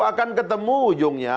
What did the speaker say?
akan ketemu ujungnya